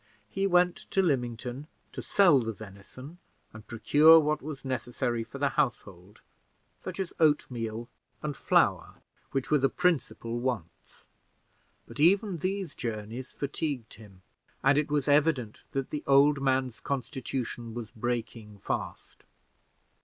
He went to Lymington to sell the venison and procure what was necessary for the household, such as oatmeal and flour, which were the principal wants, but even these journeys fatigued him, and it was evident that the old man's constitution was breaking fast.